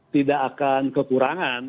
tidak akan kekurangan